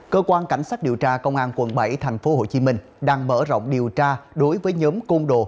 cơ quan cảnh sát điều tra công an quận bảy tp hcm đang mở rộng điều tra đối với nhóm côn đồ